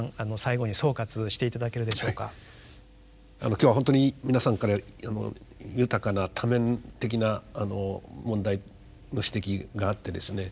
今日はほんとに皆さんから豊かな多面的な問題の指摘があってですね